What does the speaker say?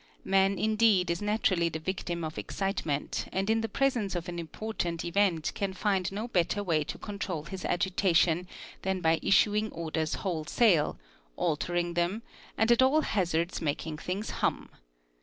Man indeed is naturally the vic ~ tim of excitement and in the presence of an important event can find no better way to control his agitation than by issuing orders wholesale, altering them, and at all hazards making things hum.